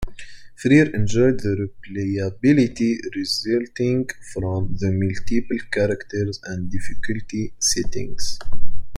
Frear enjoyed the replayability resulting from the multiple characters and difficulty settings.